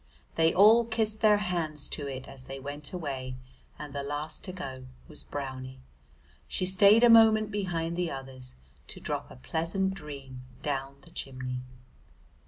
They all kissed their hands to it as they went away, and the last to go was Brownie. She stayed a moment behind the others to drop a pleasant dream down the chimney.